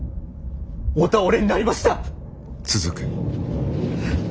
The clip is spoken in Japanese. お倒れになりました！